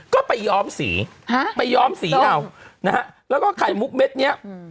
ก็ไปยอมสีไปยอมสีเอาแล้วก็ไข่มุกเม็ดเนี่ย